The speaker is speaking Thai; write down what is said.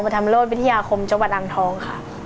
ธรรมโลศวิทยาคมจังหวัดอ่างทองค่ะ